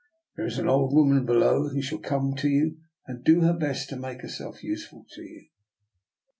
There is an old woman below who shall come to you, and do her best to make herself useful to you."